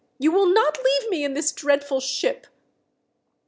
You will not leave me in this dreadful ship